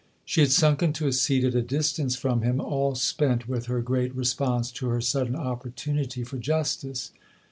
She had sunk into a seat at a distance from him, all spent with her great response to her sudden opportunity for justice.